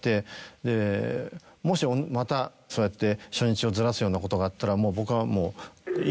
でもしまたそうやって初日をずらすようなことがあったら僕はもう。